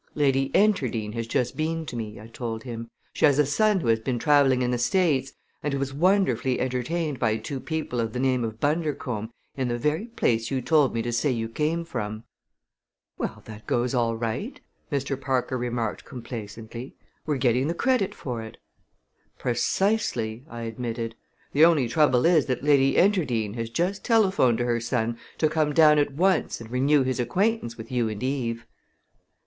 "Lady Enterdean has just been to me," I told him. "She has a son who has been traveling in the States and who was wonderfully entertained by two people of the name of Bundercombe in the very place you told me to say you came from." "Well, that goes all right!" Mr. Parker remarked complacently. "We're getting the credit for it." "Precisely," I admitted. "The only trouble is that Lady Enterdean has just telephoned to her son to come down at once and renew his acquaintance with you and Eve."